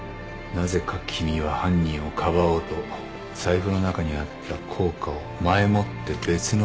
なぜか君は犯人をかばおうと財布の中にあった硬貨を前もって別の硬貨にすり替えた。